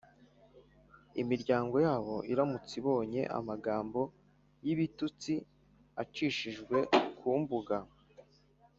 imiryango yabo iramutse ibonye amagambo y'ibitutsi acishijwe ku mbuga